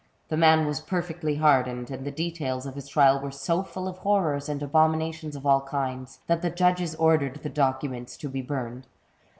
The man was perfectly hardened, and the details of his trial were so full of horrors and abominations of all kinds, that the judges ordered the documents to be burned.